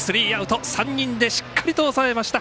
３人でしっかりと抑えました。